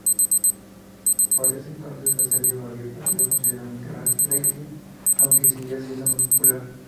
Por ese entonces, la serie había perdido considerable rating, aunque siguiera siendo muy popular.